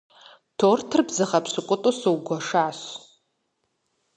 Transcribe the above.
Тортыр бзыгъэ пщыкӏутӏу сыугуэшащ.